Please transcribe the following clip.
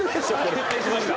決定しました。